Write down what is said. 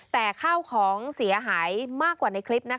แต่ข้าวของเสียหายมากกว่าในคลิปนะคะ